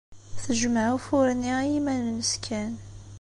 Tejmeɛ ufur-nni i yiman-nnes kan.